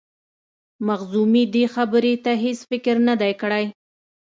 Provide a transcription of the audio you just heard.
مخزومي دې خبرې ته هیڅ فکر نه دی کړی.